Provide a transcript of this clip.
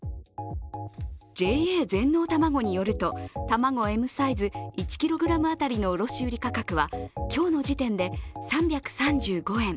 ＪＡ全農たまごによると、卵Ｍサイズ１ｋｇ当たりの卸売価格は今日の時点で３３５円。